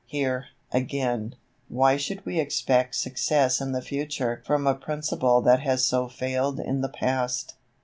Here, again, why should we expect success in the future from a principle that has so failed in the past?